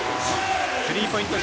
スリーポイント